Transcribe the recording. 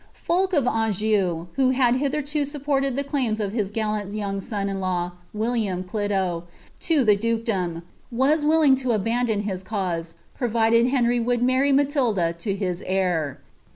Fulk of Anjou, who had hitlierio mf porittl the claims of liis gallant young son in law. William Clito, to tht (lukedora, was willing lo abandon his cau.se, provided Henry wo^ marry Jltalildn lo his heir.